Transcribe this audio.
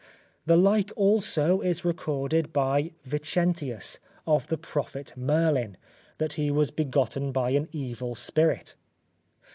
The like also is recorded by Vicentius, of the prophet Merlin, that he was begotten by an evil spirit.